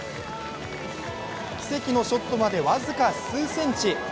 奇跡のショットまで僅か数センチ。